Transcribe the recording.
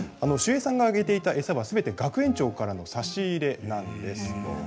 守衛さんがあげていた餌はすべて学園長からの差し入れなんです。